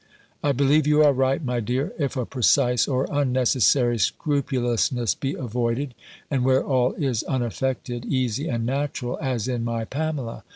"I believe you are right, my dear, if a precise or unnecessary scrupulousness be avoided, and where all is unaffected, easy, and natural, as in my Pamela.